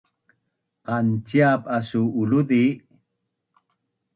Qanciap asu uluzi?